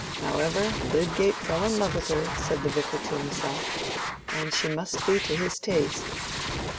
"However, Lydgate fell in love with her," said the Vicar to himself, "and she must be to his taste."